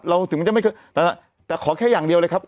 ถึงมันจะไม่เคยแต่ขอแค่อย่างเดียวเลยครับ